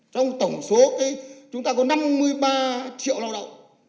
trong tổng số chúng ta có năm mươi ba triệu lao động